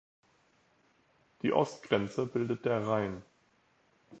Die Ostgrenze bildet der Rhein.